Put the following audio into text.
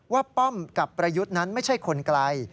ป้อมกับประยุทธ์นั้นไม่ใช่คนไกล